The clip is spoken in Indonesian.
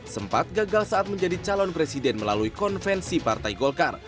sempat gagal saat menjadi calon presiden melalui konvensi partai golkar